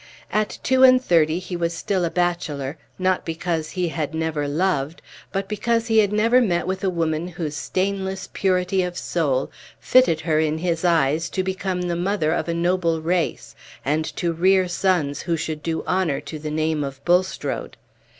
At two and thirty he was still a bachelor, not because he had never loved, but because he had never met with a woman whose stainless purity of soul fitted her in his eyes to become the mother of a noble race, and to rear sons who should do honor to the name of Bulstrode.